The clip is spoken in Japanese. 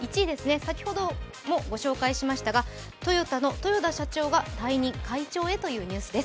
先ほどもご紹介しましたが、トヨタの豊田社長が退任会長へというニュースです。